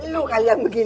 lu kalian begini